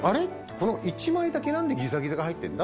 この１枚だけなんでギザギザが入ってるんだ？